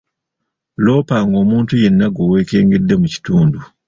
Loopanga omuntu yenna gwe weekengedde mu kitundu.